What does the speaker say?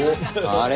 あれ？